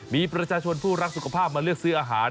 มีประชาชนผู้รักสุขภาพมาเลือกซื้ออาหาร